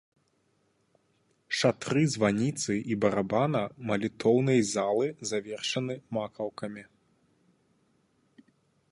Шатры званіцы і барабана малітоўнай залы завершаны макаўкамі.